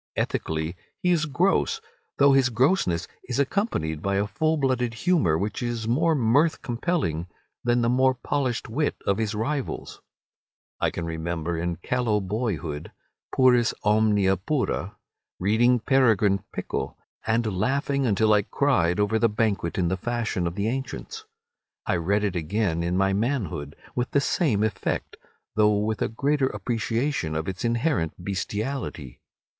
Ethically he is gross, though his grossness is accompanied by a full blooded humour which is more mirth compelling than the more polished wit of his rivals. I can remember in callow boyhood—puris omnia pura—reading "Peregrine Pickle," and laughing until I cried over the Banquet in the Fashion of the Ancients. I read it again in my manhood with the same effect, though with a greater appreciation of its inherent bestiality.